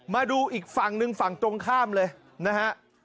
มาดูอีกฝั่งหนึ่งฝั่งตรงข้ามเลยนะฮะ